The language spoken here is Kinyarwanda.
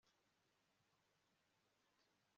Nari mu njy njya ku Eldad